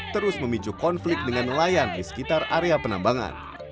terus memicu konflik dengan nelayan di sekitar area penambangan